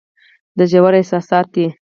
دا ژور احساسات دي.